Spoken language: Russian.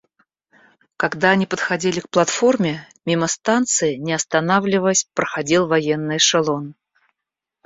Когда они подходили к платформе, мимо станции, не останавливаясь, проходил военный эшелон.